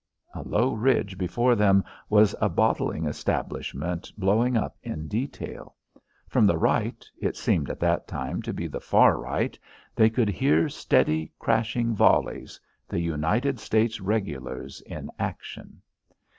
A low ridge before them was a bottling establishment blowing up in detail. From the right it seemed at that time to be the far right they could hear steady, crashing volleys the United States regulars in action.